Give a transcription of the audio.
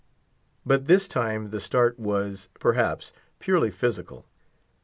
But this time the start was, perhaps, purely physical.